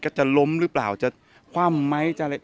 ก็จะล้มหรือเปล่าจะคว่ำไหมจะอะไร